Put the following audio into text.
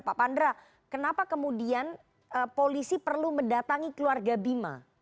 pak pandra kenapa kemudian polisi perlu mendatangi keluarga bima